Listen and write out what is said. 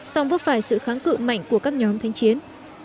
song vấp phải sự kháng cự mạnh của các nhóm thanh chiến